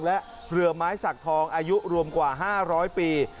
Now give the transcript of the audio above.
และเรือไม้สักทองอายุรวมกว่า๕๐๐ปี